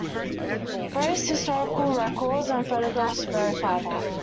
Various historical records and photographs verify that.